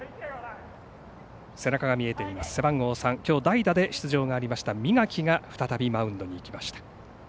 背中が見えています、背番号３きょう代打で出場がありました三垣が再びマウンドに行きました。